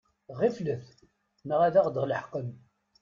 Ɣiflet neɣ ad ɣ-d-yelḥeq!